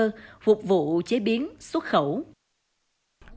phục vụ chế biến xuất khẩu